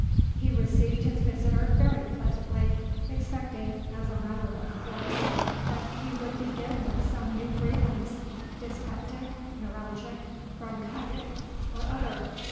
He received his visitor very pleasantly, expecting, as a matter of course, that he would begin with some new grievance, dyspeptic, neuralgic, bronchitic, or other.